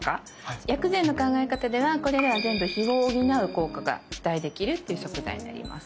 薬膳の考え方ではこれらは全部「脾」を補う効果が期待できるっていう食材になります。